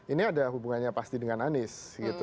ini ada hubungannya pasti dengan anies